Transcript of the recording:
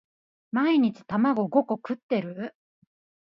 毎日卵五個食ってる？